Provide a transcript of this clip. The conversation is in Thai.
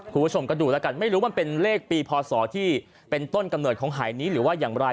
คุณผู้ชมก็ดูแล้วกันไม่รู้มันเป็นเลขปีพศที่เป็นต้นกำเนิดของหายนี้หรือว่าอย่างไร